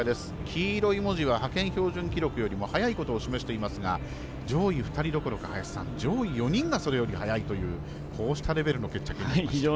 黄色い文字は派遣標準記録よりも早いことを示していますが上位２人どころか上位４人がそれより早いというこうしたレベルの決着になりました。